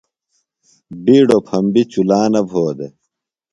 بیڈوۡ پھمبیۡ چُلا نہ بھو دےۡ۔